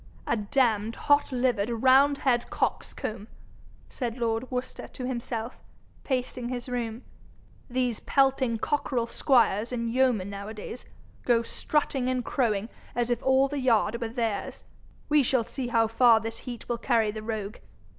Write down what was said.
'A damned hot livered roundhead coxcomb!' said lord Worcester to himself, pacing his room. 'These pelting cockerel squires and yeomen nowadays go strutting and crowing as if all the yard were theirs! We shall see how far this heat will carry the rogue!